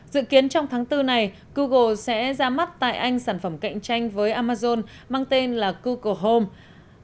dự kiến trong tháng bốn này google sẽ ra mắt tại anh sản phẩm cạnh tranh với amazon mang tên là google home